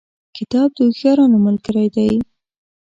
کتاب د هوښیارانو ملګری دی.